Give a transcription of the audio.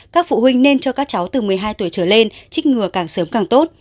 các phụ huynh nên cho các cháu từ một mươi hai tuổi trở lên trích ngừa càng sớm càng tốt